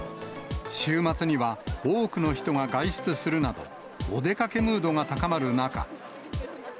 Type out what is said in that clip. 週末には、多くの人が外出するなど、お出かけムードが高まる中。